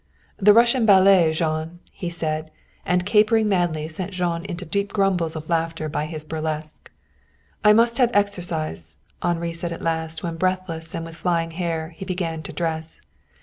"The Russian ballet, Jean!" he said, and capering madly sent Jean into deep grumbles of laughter by his burlesque. "I must have exercise," Henri said at last when, breathless and with flying hair, he began to dress.